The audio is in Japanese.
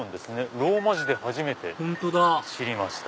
ローマ字で初めて知りました。